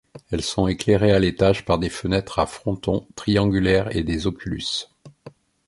Elles sont éclairées à l'étage par des fenêtres à frontons triangulaires et des oculus.